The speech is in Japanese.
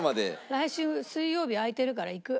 来週水曜日空いてるから行く。